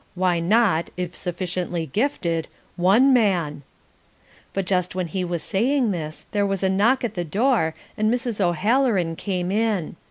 Why not, if sufficiently gifted, ONE man?" But just when he was saying this there was a knock at the door and Mrs. O'Halloran came in.